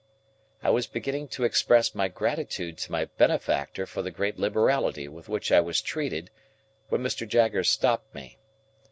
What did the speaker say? I was beginning to express my gratitude to my benefactor for the great liberality with which I was treated, when Mr. Jaggers stopped me.